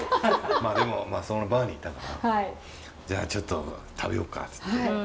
まあでもそのバーにいたから「じゃあちょっと食べようか」つって。